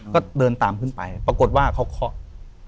ก็เดินตามขึ้นไปปรากฏว่าเขาเคาะ